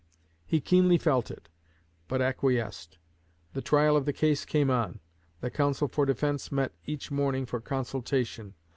He keenly felt it, but acquiesced. The trial of the case came on; the counsel for defense met each morning for consultation.